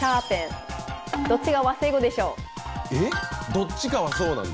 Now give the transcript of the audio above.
どっちかはそうなんだ。